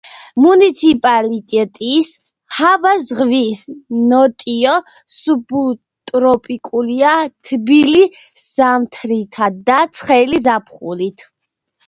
მუნიციპალიტეტის ჰავა ზღვის ნოტიო სუბტროპიკულია, თბილი ზამთრითა და ცხელი ზაფხულით.